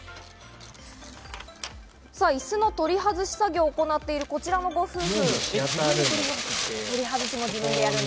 イスの取り外し作業を行っているこちらのご夫婦。